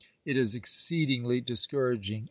It is exceedingly discouraging.